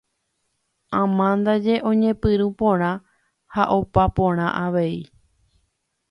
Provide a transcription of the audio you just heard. Amandaje oñepyrũ porã ha opa porã avei.